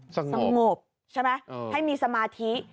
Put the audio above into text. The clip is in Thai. สงบใช่ไหมให้มีสมาธิ